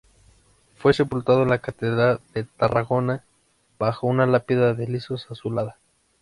Fue sepultado en la catedral de Tarragona, bajo una lápida de lisos azulada.